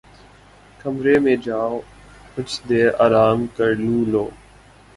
کمرے میں جاؤ کچھ دیر آرام کر لوں لو